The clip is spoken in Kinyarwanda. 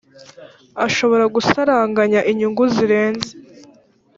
ashobora gusaranganya inyungu zirenze